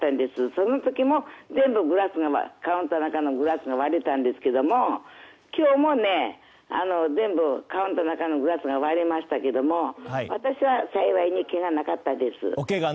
その時も全部カウンターの中のグラスが割れたんですけども今日も全部、カウンターの中のグラスが割れましたけど私は幸いにけがはなかったです。